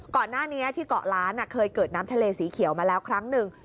ก่อนหน้านี้ที่เกาะล้านเคยเกิดน้ำทะเลสีเขียวมาแล้วครั้งหนึ่ง